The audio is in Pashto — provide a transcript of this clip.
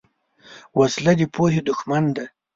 وسله د پوهې دښمن ده